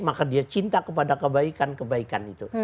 maka dia cinta kepada kebaikan kebaikan itu